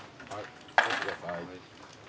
取ってください。